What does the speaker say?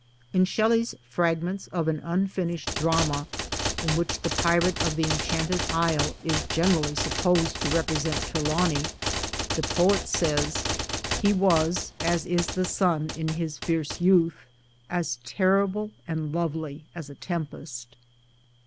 In Shelley's Fragments of an Unfinished Dranta (in which the Pirate on the Enchanted Isle is generally supposed to represent Trelawny), the poet says * He was as is the sun in his fierce youth, As ternble and lovely as a tempest.